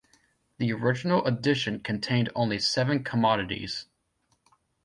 The original edition contained only seven commodities.